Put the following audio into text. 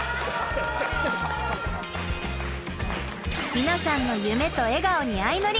皆さんの夢と笑顔にあいのり。